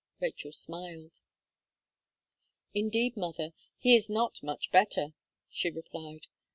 Rachel smiled. "Indeed, mother, he is not much better," she replied.